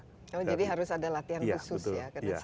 jadi harus ada latihan khusus ya